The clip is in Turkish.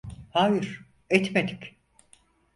Hayır, etmedik!